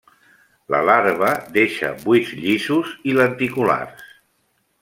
La larva deixa buits llisos i lenticulars.